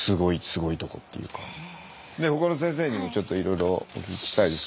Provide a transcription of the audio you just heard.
ほかの先生にもちょっといろいろお聞きしたいです。